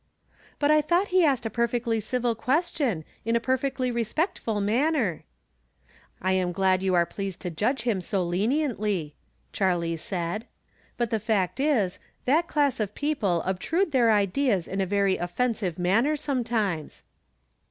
" But I thought he asked a perfectly civil ques tion, in a perfectly re^spectful manner." " I am glad you are pleased to judge him so 16 From Different Standpoints. leniently," Charlie said. " But tlie fact is, that class of people obtrude their ideas in a very of fensive manner, sometimes."